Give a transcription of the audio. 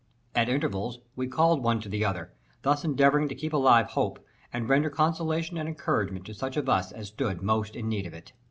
At intervals we called one to the other, thus endeavouring to keep alive hope, and render consolation and encouragement to such of us as stood most in need of it.